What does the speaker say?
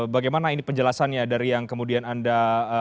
bagaimana ini penjelasannya dari yang kemudian anda